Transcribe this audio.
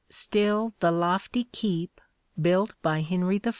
Still the lofty keep built by Henry I.